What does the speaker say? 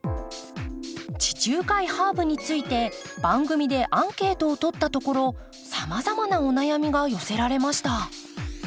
地中海ハーブについて番組でアンケートを取ったところさまざまなお悩みが寄せられました。